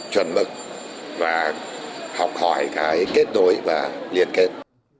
chuẩn mực và học hỏi cái kết nối và liên kết